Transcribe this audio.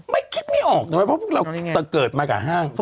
ไม่คิดไม่ออกนะเพราะเราเกิดมาก่อนห้าง